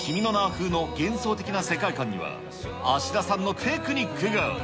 風の幻想的な世界観には、芦田さんのテクニックが。